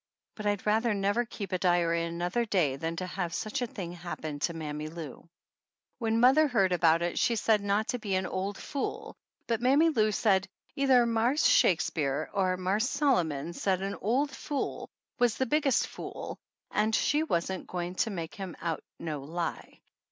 But I would rather never keep a diary another day than to have such a thing happen to Mammy Lou. 89 THE ANNALS OF ANN When mother heard about it she said not to be an old fool, but Mammy Lou said, "either Marse Shakespeare or Marse Solomon said a old fool was the biggest fool and she wasn't go ing to make him out no lie.